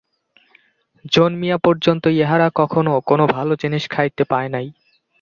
জন্মিয়া পর্যন্ত ইহারা কখনও কোনো ভালো জিনিস খাইতে পায় নাই।